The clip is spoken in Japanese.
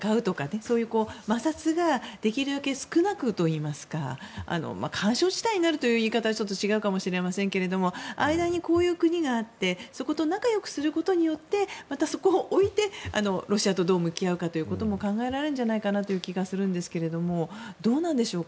そういう摩擦ができるだけ少なくといいますか緩衝地帯になるという言い方は違うかもしれませんけど間にこういう国があってそこと仲良くすることによってまた、そこを置いてロシアとどう向き合うかというところも考えられるんじゃないかなという気がするんですけどもどうなんでしょうか